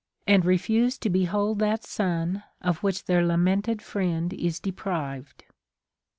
and refuse to behold that sun of Λvhich their hiinented friend is deprived.